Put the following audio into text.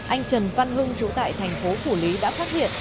anh trần văn hưng chủ tại thành phố phủ lý đã phát hiện